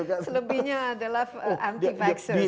yang selebihnya adalah anti vaxxers